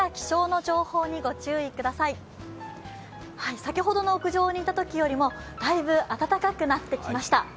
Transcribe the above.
先ほどの屋上にいたときよりも、だいぶ暖かくなってきました。